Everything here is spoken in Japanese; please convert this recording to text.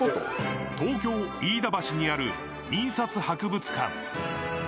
東京・飯田橋にある印刷博物館。